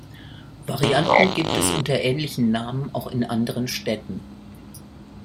Varianten gibt es unter ähnlichem Namen auch in anderen Städten.